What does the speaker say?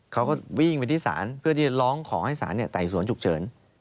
เขาก็วิ่งไปที่ศาลเพื่อที่ร้องขอให้ศาลไต่สวนฉุกเฉิน